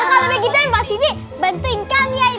kalau begitu mbak siti bantuin kami ya